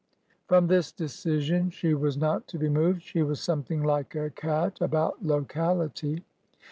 From this decision she was not to be moved. She was something like a cat about locality.